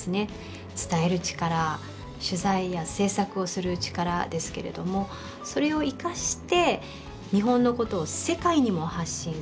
伝える力取材や制作をする力ですけれどもそれを生かして日本のことを世界にも発信する。